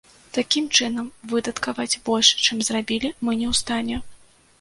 Такім чынам, выдаткаваць больш, чым зарабілі, мы не ў стане.